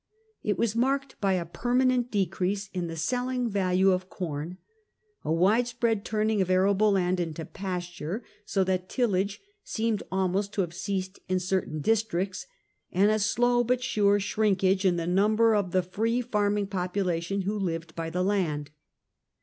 It was marked by a per manent decrease in the selling value of corn, a widespread turning of arable land into pasture, so that tillage seemed almost to have ceased in certain districts, and a slow but sure shrinkage in the numbers of the free farming popula tion who "lived by the land."